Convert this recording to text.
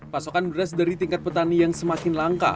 pasokan beras dari tingkat petani yang semakin langka